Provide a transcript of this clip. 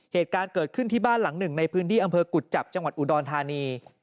เหตุการณ์เกิดขึ้นที่บ้านหลังหนึ่งในพื้นที่อำเภอกุจจับจังหวัดอุดรธานี